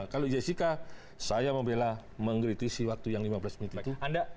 kalau jessica saya membela mengkritisi waktu yang lima belas menit lagi